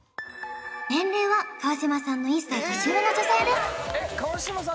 年齢は川島さんの１歳年上の女性です私